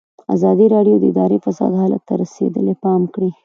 ازادي راډیو د اداري فساد حالت ته رسېدلي پام کړی.